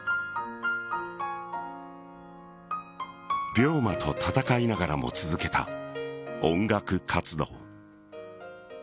病魔と闘いながらも続けた音楽活動。